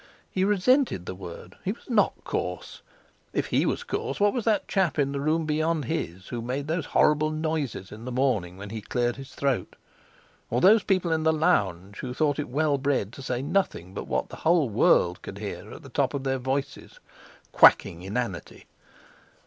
He resented the word—he was not coarse! If he was coarse, what was that chap in the room beyond his, who made those horrible noises in the morning when he cleared his throat, or those people in the Lounge who thought it well bred to say nothing but what the whole world could hear at the top of their voices—quacking inanity!